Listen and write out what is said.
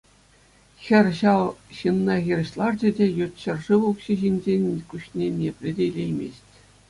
Хӗр ҫав ҫынна хирӗҫ ларчӗ те ют ҫӗршыв укҫи ҫинчен куҫне ниепле те илеймест.